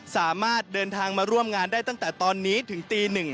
สามารถเดินทางมาร่วมงานได้ตั้งแต่ตอนนี้ถึงตี๑